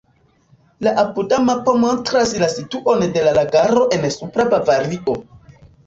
La apuda mapo montras la situon de la lagaro en Supra Bavario.